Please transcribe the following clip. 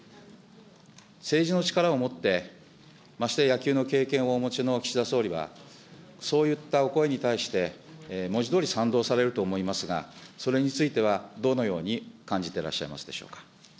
政治の力をもってましてや野球の経験をお持ちの岸田総理は、そういったお声に対して、文字どおり賛同されると思いますが、それについては、どのように感じてらっしゃいますでしょうか。